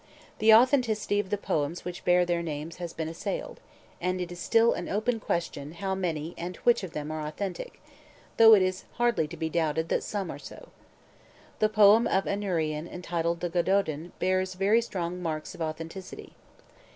The authenticity of the poems which bear their names has been assailed, and it is still an open question how many and which of them are authentic, though it is hardly to be doubted that some are so. The poem of Aneurin entitled the "Gododin" bears very strong marks of authenticity.